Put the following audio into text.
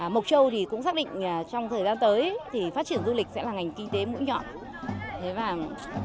mộc châu cũng xác định trong thời gian tới thì phát triển du lịch sẽ là ngành kinh tế mũi nhọn